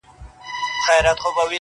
o ها دی سلام يې وکړ.